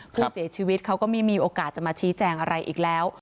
ผู้เสียชีวิตเขาก็ไม่มีโอกาสจะมาชี้แจงอะไรอีกแล้ว